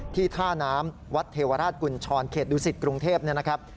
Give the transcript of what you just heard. ท่าน้ำวัดเทวราชกุญชรเขตดุสิตกรุงเทพเนี่ยนะครับ